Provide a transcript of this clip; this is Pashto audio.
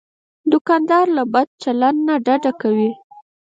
دوکاندار له بد چلند نه ډډه کوي.